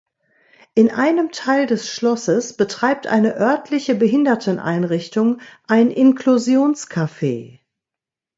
In einem Teil des Schlosses betreibt eine örtliche Behinderteneinrichtung ein Inklusions-Cafe.